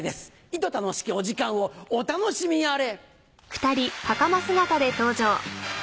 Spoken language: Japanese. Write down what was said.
いと楽しきお時間をお楽しみあれ。